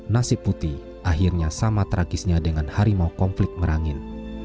nasib putih akhirnya sama tragisnya dengan harimau konflik merangin